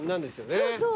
そうそう。